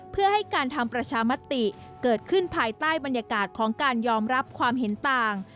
เพื่อให้การทำประชามติเกิดขึ้นภายใต้บรรยากาศของการยอมรับความเห็นต่าง